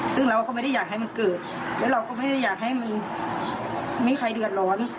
ซึ่งเราก็ไม่ได้อยากให้มันเกิดแล้วเราก็ไม่ได้อยากให้มันไม่มีใครเดือดร้อน